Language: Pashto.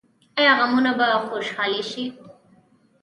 آیا غمونه به خوشحالي شي؟